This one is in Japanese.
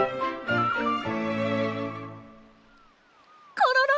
コロロ！